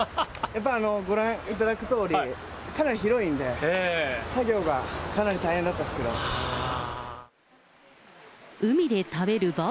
やっぱりご覧いただくとおり、かなり広いんで、作業がかなり大変だったんですけど。